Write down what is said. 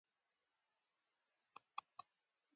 دولتونه د خپلو اړتیاوو د پوره کولو لپاره هڅه کوي